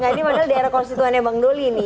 ini padahal daerah konstituennya bang doli ini